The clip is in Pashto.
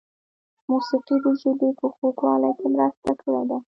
موسیقۍ د ژبې په خوږوالي کې مرسته کړې ده.